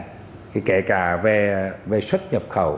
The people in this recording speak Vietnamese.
thì kể cả về xuất nhập khẩu